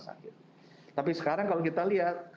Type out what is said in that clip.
sakit tapi sekarang kalau kita lihat